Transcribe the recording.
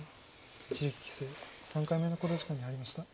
一力棋聖３回目の考慮時間に入りました。